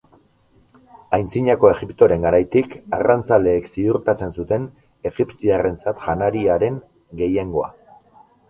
Antzinako Egiptoren garaitik, arrantzaleek ziurtatzen zuten egipziarrentzat janariaren gehiengoa.